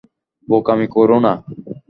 বোকামি কোরো না।